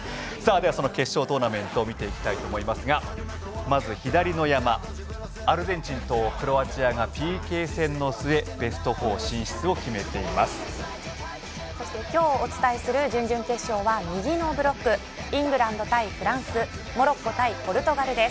ではその決勝トーナメントを見ていきたいと思いますがまず、左の山アルゼンチンとクロアチアがＰＫ戦の末そして今日お伝えする準々決勝は右のブロックイングランド対フランスモロッコ対ポルトガルです。